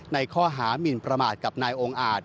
ในข้อหามินประมาทกับนายองค์อาจ